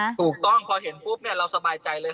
ถูกต้องพอเห็นปุ๊บเนี่ยเราสบายใจเลย